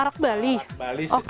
arak bali secara tradisional